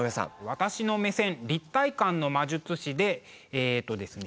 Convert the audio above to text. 私の目線「立体感の魔術師」でえっとですね